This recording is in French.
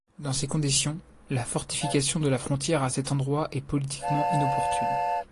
Dans ces conditions, la fortification de la frontière à cet endroit est politiquement inopportune.